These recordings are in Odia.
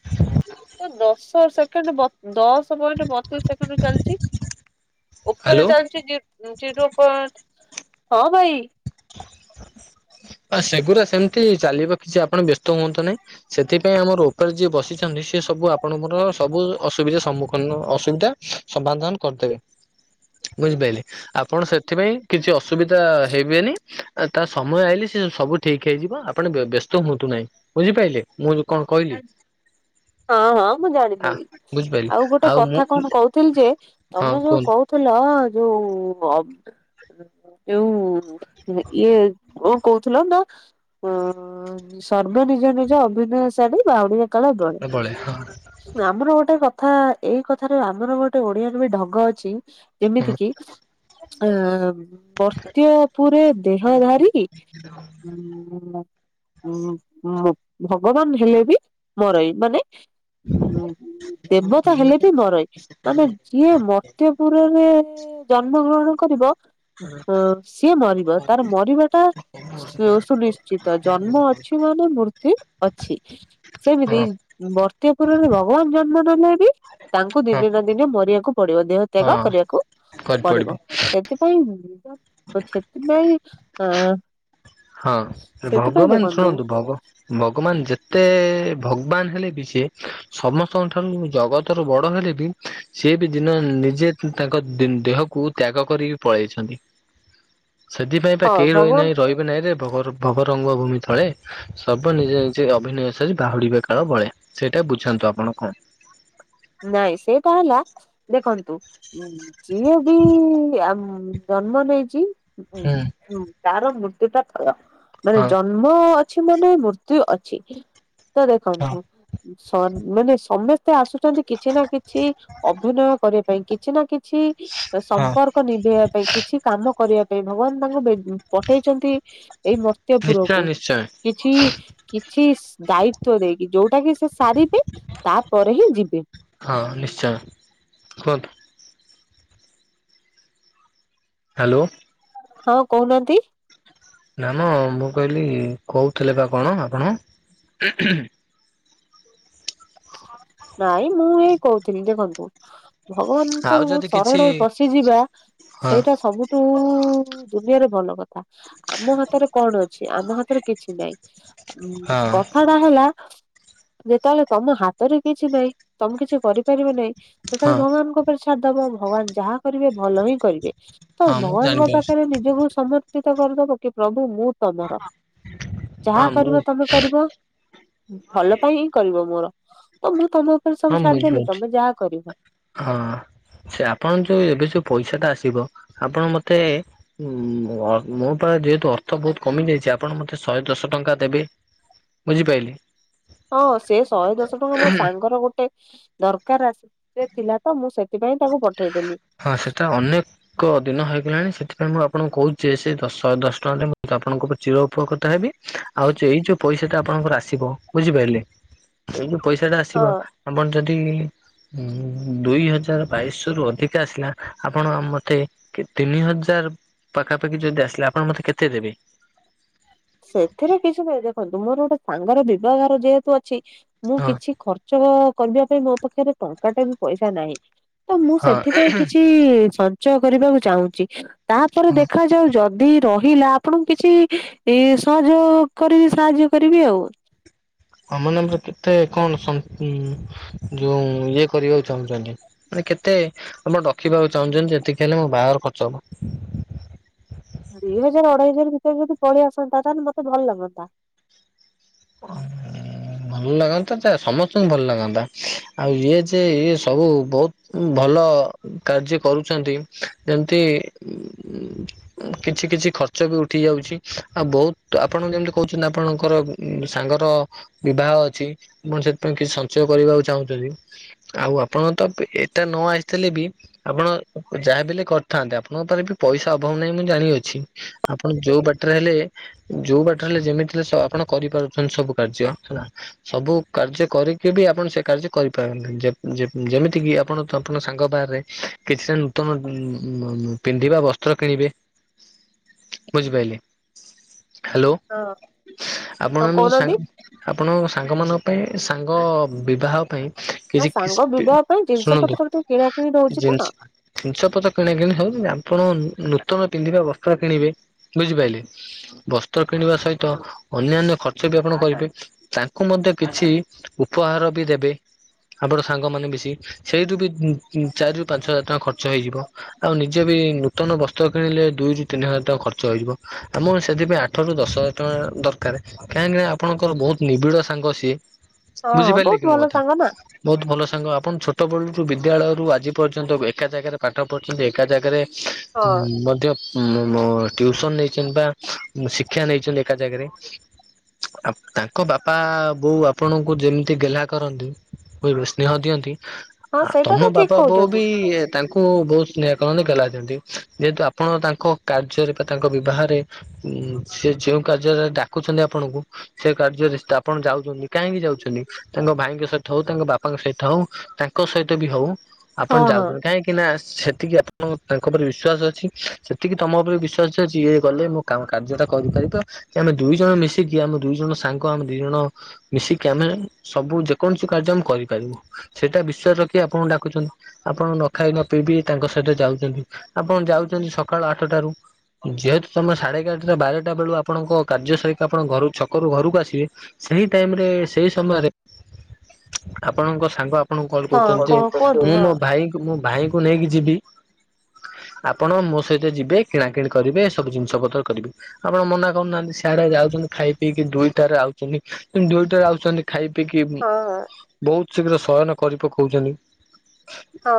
ହ ଦଶ ସେକେଣ୍ଡ ଦଶ ପଏଣ୍ଟ ବତିଶ ସେକେଣ୍ଡ ଚାଲିଛି ହ୍ୟାଲୋ ଉପରେ ଚାାଉଛି ଜିର ପଏଣ୍ଟ ହଁ ଭାଇ ଆ ସେଗୁଡ଼ା ସେମିତି ଚାଲିବ କିଛି ଆପଣ ବ୍ୟସ୍ତ ହୁଅନ୍ତୁ ନାହିଁ ସେଥିପାଇଁ ଆମର ରୋପାଳ ଯିଏ ବସି ସେ ସବୁ ଆପଣଙ୍କର ସବୁ ଅସୁବିଧା ସମ୍ମୁଖୀନ ଅସୁବିଧା ସମାଧାନ କରିଦେବେ ବୁଝିପାରିଲେ ଆପଣ ସେଥିପାଇଁ କିଛି ଅସୁବିଧା ହେବେନି ତା ସମୟ ଆଇିଲ ସବୁ ଠିକ ହେଇଯିବ ଆପଣ ବ୍ୟସ୍ତ ହୁଅନ୍ତୁ ନାହିଁ ବୁଝିପାରିଲେ ମୁଁ କଣ କହିଲି ହଁ ହଁ ମୁଁ ଆ ଜାଣିନିି ବୁଝିପାରିଲି ଆଉ ଗୋଟେ ମୁଁ କଥା କଣ କହୁଥିଲି ଯେ ହଁ ତମେ ଯୋଉ କୁହନ୍ତୁ କହୁ ଲ ଯୋଉ ଏ ଇଏ କଣ କହୁଥିଲ ନା ଅ ସର୍ବ ନିଜ ନିଜ ଅଭିନୟ ସାରୀ ବାଉଡିଆ ପଳେଇ ହଁ [unintelligible] ଆମର ଗୋଟେ କଥା କଥା ଏଇ କଥାରେ ଆମର ଗୋଟେ ଓଡିଆରେ ବି ଢଙ୍ଗ ଅଛି ଯେମିତି ହଁ କିି ଆ ବର୍ତ୍ତ୍ୟ ପରେ ଦେହ ଧାରି ହୁଁ ହୁଁ ହଁ ଭଗବାନ ହେଲେ ବି ମରଇ ମାନେ ହ ଦେବତା ହେଲେ ବି ମରଇ ମାନେ ଯିଏ ମତ୍ୟ ପୁରରେ ଜନ୍ମ ଗ୍ରହଣ କରିବ। ହ ସିଏ ମରିବ ତାର ମରିବାଟା ସୁ ସୁନିଶ୍ଚିତ ଜନ୍ମ ଅଛି ମାନେ ମୃତ୍ୟୁ ଅଛି ସେମିତି ହଁ ବର୍ତ୍ତପୁରରେ ଭଗବାନ ଜନ୍ମ ନେଲେ ବି। ତାଙ୍କୁ ହଁ ଦିନେ ନା ଦିନେ ମରିବାକୁ ପଡିବ ଦେହ ତ୍ୟାଗ ହଁ କରିବାକୁ ପଡିବ। ସେଥିପାଇଁ ତ ସେଥିପାଇଁ ଅ ହଁ ସେଥିପାଇଁ ଭଗବାନ ଦେଖନ୍ତୁ ଶୁଣନ୍ତୁ ଭଗ ଭଗବାନ ଯେତେ ଭଗବାନ ହେଲେ ବି ସିଏ ସମସ୍ତଙ୍କ ଠାରୁ ଜଗତ ର ବଡ ହେଲେ ବି ସିଏ ବି ଦିନ ନିଜେ ତାଙ୍କ ଦେହକୁ ତ୍ୟାଗ କରିକି ପଳେଇଛନ୍ତି। ସେଥିପାଇଁ ବା ହଁ କେହି ଭଗବାନ ରହିନାହିଁ ରହିବେ ନାହିଁ ରେ ଭଗରୁ ଭଗ ରଙ୍ଗ ଭୂମି ତଳେ। ସବ ନିଜେ ନିଜେ ଅଭିନୟ ସାରି ବାହୁଡିବା କାଳ ବଳେ ସେଇଟା ବୁଝାନ୍ତୁ ଆପଣ କଣ? ନାଇଁ ସେଇଟା ହେଲା ଦେଖନ୍ତୁ ଯିଏ ବି ଜନ୍ମ ନେଇଛି ହୁଁ ହୁଁ ତାର ମୃତ୍ୟୁ ଟା ଥୟ ମାନେ ହଁ ଜନ୍ମ ଅଛି ମାନେ ମୃତ୍ୟୁ ଅଛି ତ ହଁ ଦେଖନ୍ତୁ ସ ମାନେ ସମସ୍ତେ ଆସୁଛନ୍ତି କିଛି ନା କିଛି ଅଭିନୟ କରିବା ପାଇଁ କିଛି ନା କିଛି କିଛି ହଁ ସମ୍ପର୍କ ନିଭେଇବା ପାଇଁ କିଛି କାମ କରିବା ପାଇଁ ଭଗବାନ ତାଙ୍କୁ ପଠେଇଛନ୍ତି ଏଇ ମର୍ତ୍ତ୍ୟ ପୁର। ନିଶ୍ଚୟ ନିଶ୍ଚୟ। କିଛି କିଛି ଦାୟିତ ଦେଇକି ଯୋଉଟା କି ସେ ସାରିବେ ତାପରେ ହିଁ ଯିବେ। ହଁ ନିଶ୍ଚୟ କୁହନ୍ତୁ? ହ୍ୟାଲୋ। ହଁ କହୁନାହାନ୍ତି? ନା ନା ମୁଁ କହିଲି କହୁଥିଲେ ବା କଣ ଆପଣ ହୁଁ ହୁଁ। ନାଇଁ ମୁଁ ଏଇ କହୁଥିଲି ଦେଖନ୍ତୁ? ଆଉ ଭଗବାନଙ୍କର ଯଦି କିଛି ସରଣରେ ପଶିଯିବା ହଁ ସେଇଟା ସବୁ ଠୁ ଦୁନିଆରେ ଭଲ କଥା। ଆମ ହାତରେ କଣ ଅଛି ଆମ ହାତରେ କିଛି ନାଇଁ ହଁ କ [unintelligible] ଯେତେବେଳେ ତମ ହାତରେ କିଛି ନାହିଁ ତମେ କିଛି କରିପାରିବ ନାହିଁ। ସେତେବେଳେ ହଁ ଭଗବାନଙ୍କ ଉପରେ ଛାଡ଼ ଦବ ଭଗବାନ ଯାହା କରିବେ ଭଲ ହିଁ କରିବେ। ତ ହଁ ମୁଁ ଭଗବାନଙ୍କ ଜାଣିପାରୁଛି। ପାଖରେ ନିଜକୁ ସମର୍ପିତ କରିଦବ କି ପ୍ରଭୁ ମୁଁ ତମର ଯାହା ହଁ ମୁଁ କରିବ ତମେ କରିବ। ଭଲ ପାଇଁ ହିଁ କରିବ ମୋର ତ ମୁଁ ତମ ଉପରେ ହଁ ସବୁ ମୁଁ ଛାଡିଦେଲି ବୁଝିପାରୁଛି ତମେ ଯାହା କରିବ। ହଁ ସେ ଆପଣ ଯୋଉ ଏବେ ଯୋଉ ପଇସା ଟା ଆସିବ ଆପଣ ମୋତେ ଉ ମୋ ପା ଯେହେତୁ ଅର୍ଥ ବହୁତ କମି ଯାଇଛି ଆପଣ ମତେ ଶହେ ଦଶ ଟଙ୍କା ଦେବେ। ବୁଝି ପାଇଲି। ହଁ ସେ ଶହେ ଦଶ ଟଙ୍କା ମୋ ସାଙ୍ଗର ଗୋଟେ ଦରକାର ଆସେ। ସେ ଥିଲା ତ ମୁଁ ସେଥିପାଇଁ ତାକୁ ପଠେଇଦେଲି। ହଁ ସେଟା ଅନେକ ଏକ ଦିନ ହେଇଗଲାଣି ସେଥିପାଇଁ ମୁଁ ଆପଣଙ୍କୁ କହୁଛି ସେଇ ଦଶ ଦଶ ଟଙ୍କାରେ ମୁଁ ଆପଣଙ୍କ ଉପରେ ଚିର ଉପକୃତ ହେବି। ଆଉ ଯୋଉ ଏଇ ଯୋଉ ପଇସାଟା ଆପଣଙ୍କର ଆସିବ ବୁଝିପାରିଲେ ଏଇ ଯୋଉ ପଇସାଟା ହଁ ଆସିବ। ଆପଣ ଯଦି ଦୁଇ ହଜାର ବାଇଶ ରୁ ଅଧିକା ଆସିଲା ଆପଣ ମତେ ତିନି ହଜାର ପାଖାପାଖି ଯଦ ଆସିଲେ ଆପଣ ମତେ କେତେ ଦେବେ। ସେଥିରେ କିଛି ନାହିଁ ଦେଖନ୍ତୁ ମୋର ଗୋଟେ ସାଙ୍ଗର ବିବାଘର ଯେହେତୁ ଅଛି ମୁଁ ହଁ କିଛି ଖର୍ଚ୍ଚ। କରିବା ପାଇଁ ମୋ ପାଖରେ ଟଙ୍କା ଟା ବି ପଇସା ନାହିଁ। ତ ମୁଁ ହଁ ସେଥିପାଇଁ କିଛି ସଞ୍ଚୟ କରିବାକୁ ଚାହୁଁଛି। ତାପରେ ଦେଖାଯାଉ ଯଦି ରହିଲା ଆପଣଙ୍କୁ କିଛି। ଏଇ ସହଯ କରିବି ସାହାଯ୍ୟ କରିବି ଆଉ। ଆମାନମର କେତେ କଣ ଯୋଉ ଇଏ କରିବାକୁ ଚାହୁଁଛନ୍ତି। ମ କେତେ ଆମର ରଡଖିବାକୁ ଚାହୁଁଛନ୍ତି ଯେତିକି ହେଲେ ମୋ ବାହାଘ ଖର୍ଚ୍ଚ ହବ। ଦିଇ ହଜାର ଅଢେଇଶରେ ଭିତରେ ଯଦି ପଳେଇ ଆସନ୍ତା ତାହେଲେ ମତେ ଭଲ ଲାଗନ୍ତା। [unintelligible] ଭଲ ଲାଗନ୍ତା ଯେ ସମସ୍ତଙ୍କୁ ଭଲ ଲାଗନ୍ତା ଆଉ ଇଏ ଯେ ଇଏ ସବୁ ବହୁତ। ଭଲ କାର୍ଯ୍ୟ କରୁଛନ୍ତି ଯେମିତି। କିଛି କିଛି ଖର୍ଚ୍ଚ ବି ଉଠି ଯାଉଛି ଆଉ ବହୁତ ଆପଣ ଯେମିତି କହୁଛନ୍ତି ଆପଣଙ୍କର।। ଉ ସାଙ୍ଗର ବିବାହ ଅଛି ଆପ ସେଥିପାଇଁ କିଛି ସଞ୍ଚୟ କରିବାକୁ ଚାହୁଁଛନ୍ତି। ଆଉ ଆପଣ ତ ଏଟା ନ ଆସିଥିଲେ ବି। ଆପଣ ଯାହାବଲେ କରିଥାନ୍ତେ ଆପଣଙ୍କ ଉପରେ ବି ପଇସା ଅଭାବ ନାହିଁ ମୁଁ ଜାଣିଅଛି। ଆପଣ ଯୋଉ ବାଟରେ ହେଲେ ଯୋଉ ବାଟରେ ହେଲେ ଯେମିତି ହେ ଆପଣ। କରିପାରୁଛନ୍ତି ସବୁ କାର୍ଯ୍ୟ ହେଲା। ସବୁ କାର୍ଯ୍ୟ କରିକି ବି ଆପଣ ସେ କାର୍ଯ୍ୟ କରିପାରନ ଯେମିତି କିି ଆପଣ ଆପଣ ସାଙ୍ଗ ବାହାରେ। କିଛିଟା ନୂତନ ଉ ପିନ୍ଧିବା ବସ୍ତ୍ର କିଣିବେ। ହ। ବୁଝିପାରିଲି ହ୍ୟାଲୋ ହଁ ହଁ ଆପଣ ମ ଯଉ କହୁନାହାନ୍ତି। ସାଙ୍ଗ। ଆପଣ ସାଙ୍ଗ ମାନଙ୍କ ପାଇଁ ସାଙ୍ଗ ବିବାହ ପାଇଁ। ତା କିଛି ସାଙ୍ଗ ବିବାହ ପାଇଁ ଜିନିଷ ଶୁଣନ୍ତୁ ପତ୍ର ଟିକେ କିଣା କିିଣି ଜ। ରହୁଛି ତ ହଁ ଜିନିଷ ପତ୍ର କିଣା କିଣି ହଉଛନ୍ତି ଆପଣ ନୂତନ ପିନ୍ଧିବା ବସ୍ତ୍ର କିଣିବେ ବୁଝିପାରିଲେ। ବସ୍ତ୍ର କିଣିବା ସହିତ ଅନ୍ୟାନ୍ୟ। ଖର୍ଚ୍ଚ ବି ଆପଣ କରିବେ ତାଙ୍କୁ ମଧ୍ୟ କିଛି ଉପହାର ବି ଦେବେ। ଆମର ସାଙ୍ଗମାନୋନ ବେଶି ସେଇଠୁ ବି ଚାରିରୁ ପାଞ୍ଚ ହଜାର ଟଙ୍କା ଖର୍ଚ୍ଚ ହେଇଯିବ। ଆଉ ନିଜେ ବି ନୂତନ ବସ୍ତ୍ର କିଣିଲେ ଦୁଇରୁ ତିନି ହଜାର ଟଙ୍କା ଖର୍ଚ୍ଚ ହେଇଯିବ ଆମ ସେଥିପାଇଁ। ଅଠ ର ଦଶ ହଜାର ଟଙ୍କା ଦରକାର କାହିଁକିନା ଆପଣଙ୍କର ବହୁତ ନିବିଡ଼ ସାଙ୍ଗ ସିଏ। ବୁଝି ପ ହଁ ଲ ବହୁତ କିି ଭଲ ମୁଆଥା। ସାଙ୍ଗ ନା ବହୁତ ଭଲ ସାଙ୍ଗ ଆପଣ ଛୋଟ ବେଳୁ ରୁ ବିଦ୍ୟାଳୟ ରରୁ ଆଜି ପର୍ଯ୍ୟନ୍ତ ଏକା ଜାଗାରେ ପାଠ ପଢିଛନ୍ତି ଏକା ଜାଗାରେ। ହଁ ମଧ୍ୟ। ମୋ ୍ୟୁସନ ନେଇଛନ୍ତି ବା ଶିକ୍ଷା ନେଇଛନ୍ତି ଏକା ଜାଗାରେ। ଆ ତାଙ୍କ ବାପା ବୋଉ ଆପଣଙ୍କୁ ଯେମିତି ଗେହ୍ଲା କରନ୍ତି। ବୁଝିଲ ସ୍ନେହ ଦିଅନ୍ତି ହଁ ଆଉ ସେଇଟା ତ ତମ ଠିକ ବାପ ବୋଉ କହୁଛନ୍ତି ବି। ତାଙ୍କୁ ବହୁତ ସ୍ନେହକ ଗଲାନ୍ତି ଯେହେତୁ ଆପଣ ତାଙ୍କ କାର୍ଯ୍ୟରେ ବା ତାଙ୍କ ବିବାହରେ। ଉ ସେ ଯଉ କାର୍ଯ୍ୟରେ ଡାକୁଛନ୍ତି ଆପଣଙ୍କୁ। ସେ କାର୍ଯ୍ୟରେ ଆପଣ ଯାଉଛନ୍ତି କାହିଁକି ଯାଉଛନ୍ତି। ତାଙ୍କ ଭାଇଙ୍କ ସହିତ ହଉ ତାଙ୍କ ବାପାଙ୍କ ସହିତ ହଉ ତାଙ୍କ ସହିତ ବି ହଉ ଆପଣ ହଁ ହଁ ଯାଉଛନ୍ତି କାହିଁକି। କି ନା ସେତିକି ଆପଣ ତାଙ୍କ ଉପରେ ବିଶ୍ଵାସ ଅଛି ସେତିକି ତମ ଉପରେ ବିଶ୍ାସ ଅଛି ଇଏ ଗଲେ ମୁଁ। କ କାର୍ଯ୍ୟ ଟା କରିପାରିବ ଆମେ ଦୁଇ ଜଣ ମିଶିକି ଆମ ଦୁଇ ଜଣ ସାଙ୍ଗ ଆମ ଦିଇ ଜଣ। ମିଶିକି ଆମେ ସବୁ ଯେକୌଣସି କାର୍ଯ୍ୟ ଆମେ କରିପାରିବୁ। ସେଇଟା ବିଶ୍ଵାସ ରଖି ଆପଣଙ୍କୁ ଡାକୁଚଛନ୍ତି ଆପଣ ନଖାଇ ନ ପିଇବି ତାଙ୍କ ସହିତ ଯାଉଛନ୍ତି। ଆପଣ ଯାଉଛନ୍ତି ସକାଳୁ ଆଠଟାରୁ ଯେହେତୁ ତମେ ସାଢେ ଏଗାରଟା ବାରଟା ବେଳୁ ଆପଣଙ୍କ। କାର୍ଯ୍ୟ ସରିକି ଆପଣ ଘ ଛକରୁ ଘରକୁ ଆସିବେ ସେହି ଟାଇମ ରେ ସେଇ ସମୟରେ। ଆପଣଙ୍କ ସାଙ୍ଗ ଆପଣଙ୍କୁ କଣ ହଁ କହୁଛନ୍ତି ଯେ କଣ କୁହନ୍ତୁ ମୁଁ ହଁ ମୋ ଭାଇ। ମୁଁ ଭାଇଙ୍କୁ ନେଇକି ଯିବି। ଆପଣ ମୋ ସହିତ ଯିବେ କିଣା କିିଣି କରିବେ ସବୁ ଜିନିଷ ପତ୍ର କରିବେ। ଆପଣ ମନା କରୁନାହାନ୍ତି ସାରା ଯାଉଛନ୍ତି ଖାଇ ପିଇକି ଦୁଇଟାରେ ଆଉଛନ୍ତି କିୁ ଦୁଇଟାରେ ଆଉଛନ୍ତି। ଖାଇ ପିଇକି ଉଁ ହଁ ହଁ ବୋହୁତ ଶୀଘ୍ର ଶୟନ କରି ପକଉଚନ୍ତି। ହଁ।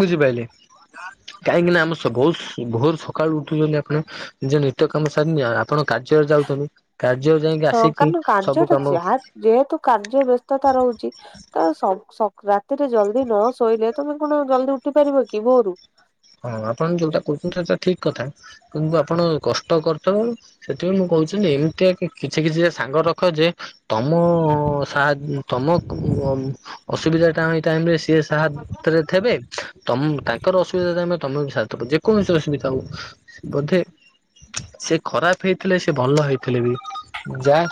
ବୁଝିପାଇଲେ। କାହିଁକିନା ଆମେ ସ ଭୋଉତ ଭୋରୁ ସକାଳୁ ଉଠିକିନା ଆପଣ ନିଜ ନିତ୍ୟକାମ ସାରିନିଏ। ଆ ଆ ପଣ କାର୍ଯ୍ୟରେ ଯାଉଚନ୍ତି କାର୍ଯ୍ୟରେ ଯାଇଁକି ହଁ ଆସିକି କାରଣ ସବୁ କାର୍ଯ୍ୟଟା କାମ ଯାହା ଯେହେତୁ କାର୍ଯ୍ୟ ବେସ୍ତତା ରହୁଚି ତ ସଗ୍ ସକ୍ ରାତିରେ ଜଲଦି ନ ଶୋଇଲେ ତମେ କଣ ଜଲଦି ଉଠିପାରିବ କି ଭୋରୁ? ହଁ ଆପଣ ଯୋଉଟା କୁ [unintelligible] ଠିକ୍ କଥା କିନ୍ତୁ ଆପଣ କଷ୍ଟ କରିଥେବେ ସେଥିପାଇଁ ମୁଁ କହୁଛି ନେ ଏମିତିଆ କିଛି କିଛିଟା ସାଙ୍ଗ ରଖ ଯେ ତମ ସାଦ୍ ଉଁ ତମକୁ ଉଁ ଅଁ ଅସୁବିଧା ଟାଇ ଟାଇମରେ ସିଏ ସାତରେ ଥେବେ ତମ୍ ତାଙ୍କର ଅସୁ ବିଧା ଟାଇମରେ ତମେ ବି ସାଥ୍ ଦବ ଯେକୌଣସି ଅସୁବିଧା ହଉ ବୋଧେ ସେ ଖରାପ ହେଇଥିଲେ ସେ ଭଲ ହେଇଥିଲେ ବି ଉଁ ଯା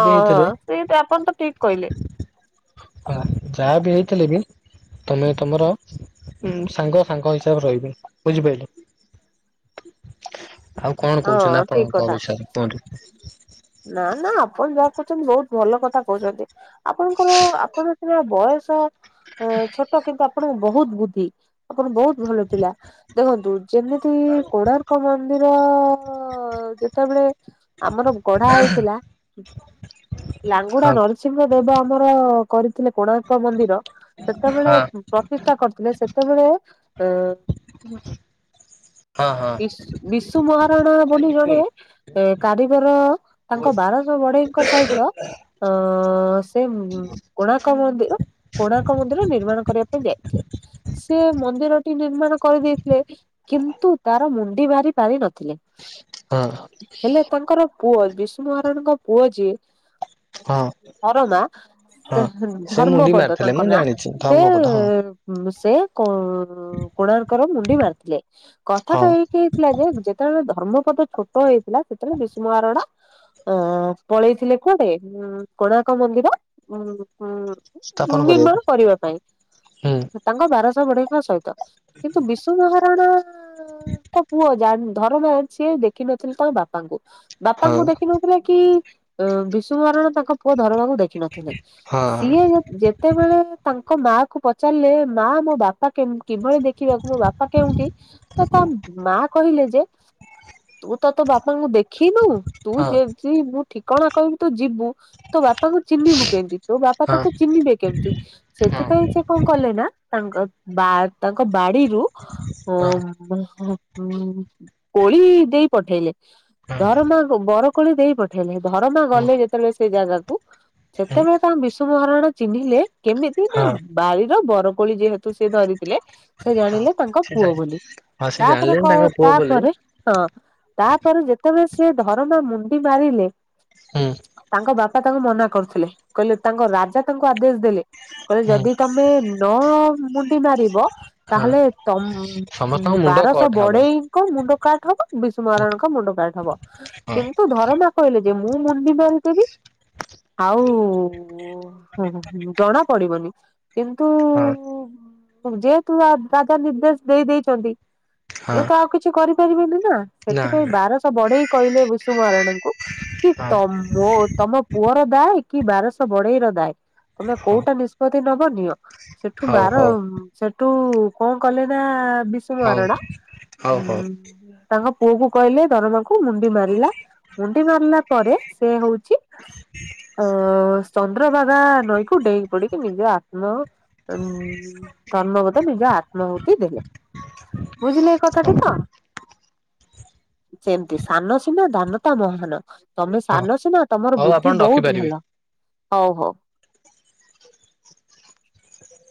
ହଁ ହଁ ସେଇଟା ଆପଣ ତ ଠିକ୍ କଇଲେ। ଆ ଯା ବି ହେଇଥିଲେ ବି ତମେ ତମର ଉଁ ସାଙ୍ଗ ସାଙ୍ଗ ହିସାବରେ ରଇବେ ବୁଝିପାଇଲେ। [inaudible] ଆଉ କଣ କହୁଚନ୍ତି ହଁ ଠିକ ଆପଣଙ୍କ କଥା ବିଷୟରେ କୁହନ୍ତୁ। ନା ନା ଆପଣ ଯା କହୁଚନ୍ତି ବୋହୁତ ଭଲ କଥା କହୁଚନ୍ତି ଆପଣଙ୍କର ଆପଣ ସିନା ବୟସ ଆଁ ଛୋଟ କିନ୍ତୁ ଆପଣଙ୍କ ବୋହୁତ ବୁଦ୍ଧି ଆପଣ ବୋହୁତ ଭଲ ଥିଲା ଦେଖନ୍ତୁ ଯେମିତି କୋଣାର୍କ ମନ୍ଦି ର ଯେତବେଳେ ଆମର ଗଢା ହଉଥିଲା ଲାଙ୍ଗୁଡା ହଁ ନର ନୃସିଂହ ଦେବ ଆମର କରିଥିଲେ କୋଣାର୍କ ମନ୍ଦିର ସେତବେଳେ ହଁ ଉଁ ପ୍ରତିଷ୍ଠା କରିଥିଲେ ସେତବେଳେ ଆଁ ହଁ ହଁ। ବିଶୁ ବିଶୁ ମହାରଣା ବୋଲି ଜଣେ ଏଁ କାରିଗର ତାଙ୍କ ବାରଶ ବଢେଇଙ୍କ ସହିତ ଆଁ ସେ ଉଁ କୋଣାର୍କ ମନ୍ଦିର କୋଣାର୍କ ମନ୍ଦିର ନିର୍ମାଣ କରିବା ପାଇଁ ଯାଇଥିଲେ। ସେ ମନ୍ଦିରଟି ନିର୍ମାଣ କରିଦେଇଥିଲେ କିନ୍ତୁ ତାର ମୁଣ୍ଡି ମାରି ପାରିନଥିଲେ। ହଁ। ହେଲେ ତାଙ୍କର ପୁଅ ବିଶୁ ମହାରଣାଙ୍କ ପୁଅ ଯିଏ ହଁ ଧରମା ସେ ହଁ ହୁଁ ସେ ମୁଣ୍ଡି ଧର୍ମପଦ ମାରିଥିଲେ ତାଙ୍କ ମୁଁ ନାଁ ଜାଣିଛି ସେ ଧର୍ମପଦ ହଁ ଉଁ ସେ କୋ ଉଁ କୋଣାର୍କର ମୁଣ୍ଡି ମାରିଥିଲେ। ହଁ। କଥାଟା ଏଇ କି ଏଇ ଥିଲା ଯେ ଯେତେବେଳେ ଧର୍ମପଦ ଛୋଟ ହେଇଥିଲା ସେତେବେଳେ ବିଶୁ ମଆରଣା ଅ ପଳେଇଥିଲେ କୁଆଡେ ଉଁ କୋଣାର୍କ ମନ୍ଦିର ଉଁ ଉଁ ସ୍ଥାପନ ଉଁ ନିମାଣ କରିବାକୁ କରିବା ପାଇଁ। ହୁଁ ତାଙ୍କ ବାରଶ ବଢେଇଙ୍କ ସଇତ କିନ୍ତୁ ବିଶୁ ମହାରଣା ଆଁ ଙ୍କ ପୁଅ ଜାନ୍ ଧରମା ଯିଏ ଦେଖିନଥିଲେ ତାଙ୍କ ବାପାଙ୍କୁ। ହଁ ବାପାଙ୍କୁ ଦେଖି ନଥିଲା କି ଅଁ ବିଶୁ ମହାରଣା ତାଙ୍କ ପୁଅ ଧରମାକୁ ଦେ ଖିନଥିଲେ ହଁ ସିଏ ଯୋଉ ଯେ ତେବେଳେ ତାଙ୍କ ମାକୁ ପଚାରିଲେ ମା ମୋ ବାପା କେମ୍ କିଭଳି ଦେଖିବାକୁ ମୋ ବାପା କେଉଁଠି ତ ତା ଉଁ ମା କହିଲେ ଯେ ତୁ ତ ତୋ ବାପାଙ୍କୁ ଦେଖିନୁ ତୁ ହଁ ହଁ ହଁ। ଯେ ଟି ମୁଁ ଠିକଣା କହିବି ତୁ ଯିବୁ। ତୋ ବାପାଙ୍କୁ ଚିହ୍ନିବୁ କେମତି? ତୋ ବାପା ହଁ ତତେ ଚିହ୍ନିବେ କେମତି? ହଁ ସେଥିପାଇଁ ସେ କଁ କଲେ ନା ତାଙ୍କ ବା ତାଙ୍କ ବାଡିରୁ ଅଁ ମ ହ ଉଁ କୋଳି ଦେଇ ପଠେଇଲେ। ଧରମାକୁ ବରକୋଳି ଦେଇ ପଠେଇଲେ ଧରମା ଗଲେ ହଁ ଯେତେବେଳେ ସେଇ ଜାଗାକୁ ସେତେବେଳେ ତାଙ୍କୁ ବିଶୁ ମହାରଣା ଚିହ୍ନିଲେ କେମିତି ନା ହଁ ଉଁ ବାରିର ବରକୋଳି ଯେହେ ତ ସେ ଧରିଥିଲେ ସେ ହଁ ଜାଣିଲେ ତାଙ୍କ ସେ ପୁଅ ଜାଣି ବୋଲି ହଁ ସେ ତାପରେ ଜାଣିଲେନି ତାଙ୍କ କଣ ପୁଅ ବୋଲି ହୁଁ। ତାପରେ ହଁ ତାପରେ ଯେତେବେଳେ ସେ ଧରମା ମୁଣ୍ଡି ମାରିଲେ। ହୁଁ। ତାଙ୍କ ବାପା ତାଙ୍କୁ ମନା କରୁଥିଲେ କହିଲେ ତାଙ୍କ ରାଜା ତାଙ୍କୁ ଆଦେଶ ଦେଲେ। କହିଲେ ହୁଁ ଯଦି ତମେ ନ ମୁଣ୍ଡି ମାରିବ ହଁ ତାହେଲେ ତମ ସମସ୍ତଙ୍କ ମୁଣ୍ଡ ବାରଶହ କଟ ହବ ବଢେଇ ଙ୍କ ମୁଣ୍ଡ କାଟ୍ ହବ ବିଶୁ ମହାରଣାଙ୍କ ମୁଣ୍ଡ କାଟ୍ ହବ କେମିତି ହଁ କିନ୍ତୁ ଧରମା କହିଲେ ଯେ ମୁଁ ମୁଣ୍ଡି ମାରଦେବି। ଆଉ ଜଣା ପଡିବନି କିନ୍ତୁ ହଁ ଯେହେତୁ ରାରାଜା ନିର୍ଦ୍ଦେଶ ଦେଇ ଦେଇଛନ୍ତି ଏ ହଁ ତ ଆଉ କିଛି କରି ପାରିବେନି ନା ନା ସେଥିପାଇଁ ନା ବାରଶହ ବଢେଇ କହିଲେ ବିଶୁ ମହାରଣାଙ୍କୁ କି ହଁ ତମ ମୋ ତମ ପୁଅର ଦାଏ କି ବାରଶହ ବଡେଇର ଦାଏ ତମେ ହଁ। କୋଉଟା ନିଷ୍ପତ୍ତି ନବ ନିଅ। ସେଠୁ ହଉ ବାର ହଉ ସେଠୁ କଣ କଲେ ନା ବି ବିଶୁ ହଉ ମହାରଣା ହଉ ହଉ ହୁଁ ତାଙ୍କ ପୁଅ କୁ କହିଲେ ଧରମାକୁ ମୁଣ୍ଡି ମାରିଲା ମୁଣ୍ଡି ମାରିଲା ପରେ ସେ ହଉ ଉଛି ଲୁଁ ଚନ୍ଦ୍ରଭାଗା ନଈକୁ ଡେଇଁ ପଡିକି ନିଜ ଆତ୍ମ ଉ ଧର୍ମପଦ ନିଜ ଆତ୍ମହୂତି ଦେଲେ ବୁଝିଲ ଏ କଥାଟି ତ। ସେମିତି ସାନ ସିନା ଦାନତା ମହାନ। ତମେ ହଉ ସାନ ସିନା ତମର ହଉ ଆପଣ ବୁଦ୍ଧି ବହୁତ ରଖିପାରିବେ। ଭଲ ହଉ ହଉ।